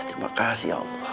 terima kasih ya allah